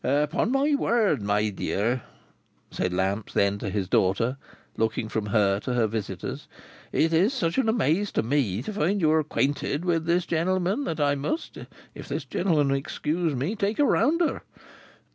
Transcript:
"Upon my word, my dear," said Lamps then to his daughter, looking from her to her visitor, "it is such an amaze to me, to find you brought acquainted with this gentleman, that I must (if this gentleman will excuse me) take a rounder."